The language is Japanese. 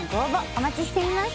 お待ちしています